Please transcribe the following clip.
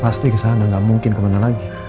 pasti kesana nggak mungkin kemana lagi